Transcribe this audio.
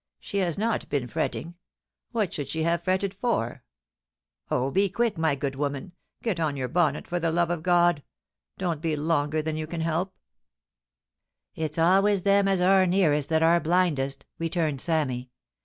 She has not been fretting. What should she have fretted for ? Oh 1 be quick, my good woman. Get on your bonnet, for the love of God. Don't be longer than you can help.' 302 POUCY AXD PASSJOX. ' It's always them as are nearest that are blindest,' rettimed Sammy.